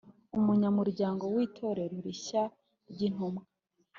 umunyamuryango w Itorero Rishya ry intumwa .